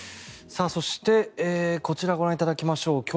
そして、こちらご覧いただきましょう。